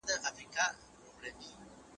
د وینې فشار باید وخت په وخت وکتل شي.